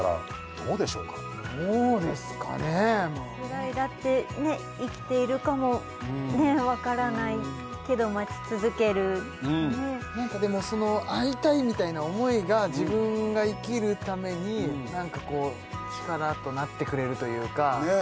どうですかねえつらいだって生きているかも分からないけど待ち続けるねなんかでもその会いたいみたいな思いが自分が生きるためになんかこう力となってくれるというかねえ